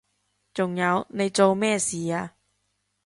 仲有你做咩事啊？